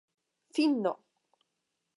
finno